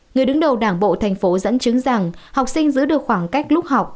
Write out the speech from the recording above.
người đứng đầu đảng bộ thành phố dẫn chứng rằng học sinh giữ được khoảng cách lúc học